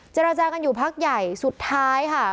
เจรจากันอยู่พักใหญ่สุดท้ายค่ะ